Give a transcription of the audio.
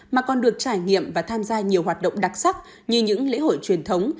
mà còn được trải nghiệm và tham gia nhiều hoạt động đặc sắc như những lễ hội truyền thống